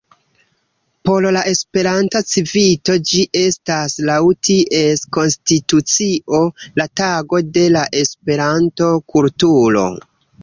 Por la Esperanta Civito ĝi estas laŭ ties konstitucio la Tago de la Esperanto-kulturo.